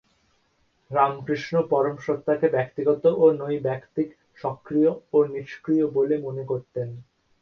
রামকৃষ্ণ পরম সত্তাকে ব্যক্তিগত ও নৈর্ব্যক্তিক, সক্রিয় ও নিষ্ক্রিয় বলে মনে করতেন।